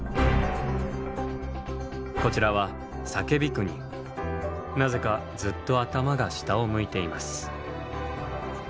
こちらはなぜかずっと頭が下を向いています。